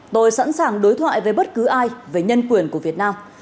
tôi sẵn sàng đối thoại với bất cứ ai về nhân quyền của việt nam